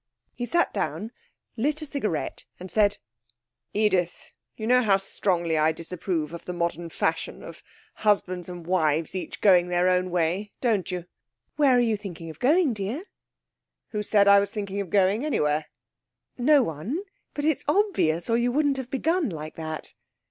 He sat down, lit a cigarette, and said 'Edith, you know how strongly I disapprove of the modern fashion of husbands and wives each going their own way don't you?' 'Where are you thinking of going, dear?' 'Who said I was thinking of going anywhere?' 'No one. But it's obvious, or you wouldn't have begun like that.'